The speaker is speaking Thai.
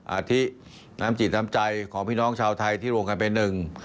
อาทิน้ำจิตน้ำใจของพี่น้องชาวไทยที่รวมกันเป็นหนึ่ง